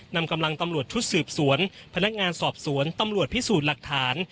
นำกำลังตำรวจชุดสืบสวนพนักงานสอบสวนตำรวจพิสูจน์หลักฐาน